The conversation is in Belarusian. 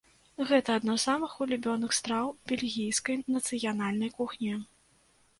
Гэта адна з самых улюбёных страў бельгійскай нацыянальнай кухні.